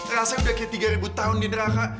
rasanya udah kayak tiga ribu tahun di neraka